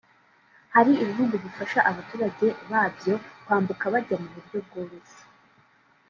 Hari ibihugu bifasha abaturage babyo kwambuka bajya mu buryo bworoshye